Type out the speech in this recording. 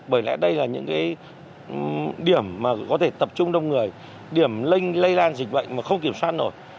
bởi lẽ đây là những cái điểm mà có thể tập trung đông người điểm lây lan dịch bệnh mà không kiểm soát nổi